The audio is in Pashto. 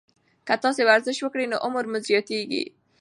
که تاسي ورزش وکړئ، نو عمر مو زیاتیږي.